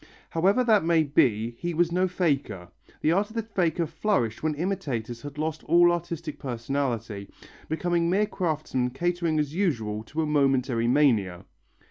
However that may be, he was no faker; the art of the faker flourished when imitators had lost all artistic personality, becoming mere craftsmen catering as usual to a momentary mania.